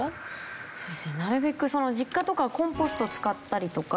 そうですねなるべく実家とかコンポスト使ったりとか。